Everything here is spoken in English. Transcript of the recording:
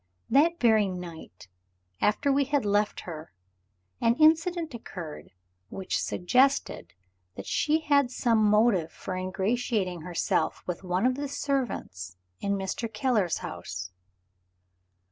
That very night, after we had left her, an incident occurred which suggested that she had some motive for ingratiating herself with one of the servants in Mr. Keller's house.